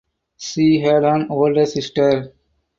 She had an older sister.